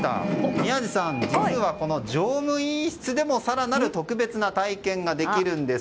宮司さん、実はこの乗務員室でも更なる特別な体験ができるんです。